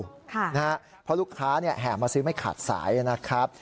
เพราะลูกค้าแห่มาซื้อไม่ขาดสายนะครับ